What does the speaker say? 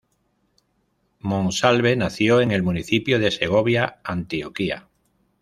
Monsalve nació en el municipio de Segovia, Antioquia.